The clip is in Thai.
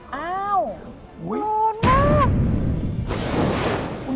อ้าวโดนมาก